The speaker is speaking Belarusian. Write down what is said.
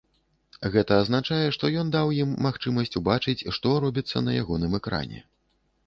Гэта азначае, што ён даў ім магчымасць убачыць, што робіцца на ягоным экране.